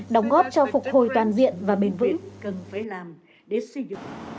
đóng góp cho phục hồi toàn diện và bền vững